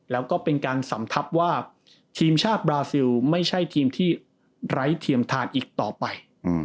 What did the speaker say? แล้วก็เป็นการสำทับว่าทีมชาติบราซิลไม่ใช่ทีมที่ไร้เทียมทานอีกต่อไป